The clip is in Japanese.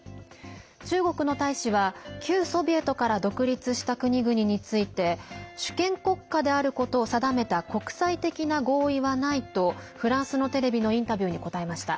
中国の大使は旧ソビエトから独立した国々について主権国家であることを定めた国際的な合意はないとフランスのテレビのインタビューに答えました。